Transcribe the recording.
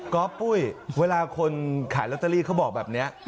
ก็ปุ้ยเวลาคนขายลอตเตอรี่เขาบอกแบบนี้